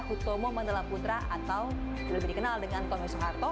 hutomo mandela putra atau lebih dikenal dengan tommy soeharto